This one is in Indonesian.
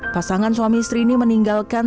pasangan suami istri ini meninggalkan